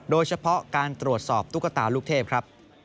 โดยเฉพาะการตรวจสอบตุ๊กตาลูกเทพครับ